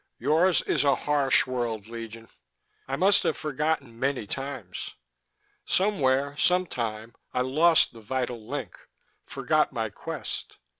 "Yours is a harsh world, Legion. I must have forgotten many times. Somewhere, some time, I lost the vital link, forgot my quest.